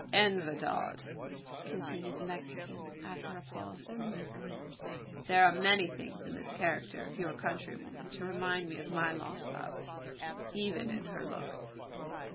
"En verdad," continued the Mexican, after a pause, "there are many things in the character of your countrywoman to remind me of my lost love even in her looks.